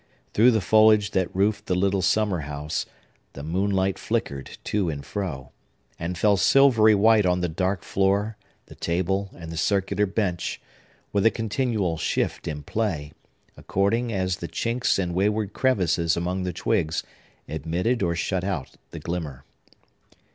Through the foliage that roofed the little summer house the moonlight flickered to and fro, and fell silvery white on the dark floor, the table, and the circular bench, with a continual shift and play, according as the chinks and wayward crevices among the twigs admitted or shut out the glimmer.